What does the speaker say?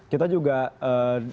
kita juga dikonsentrasi